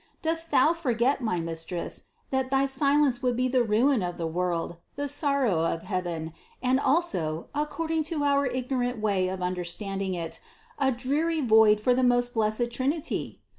Dost Thou forget, my Mistress, that thy silence would be the ruin of the world, the sorrow of heaven, and also, according to our ignorant way of understand ing it, a dreary void for the most blessed Trinity